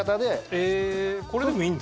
えーっこれでもいいんだ。